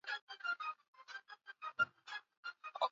Mambo aichaki fasi kila mutu eko na mambo